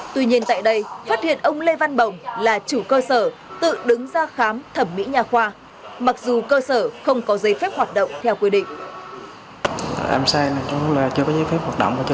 tuy nhiên tại đây phát hiện ông lê văn bồng là chủ cơ sở tự đứng ra khám thẩm mỹ nhà khoa mặc dù cơ sở không có giấy phép hoạt động theo quy định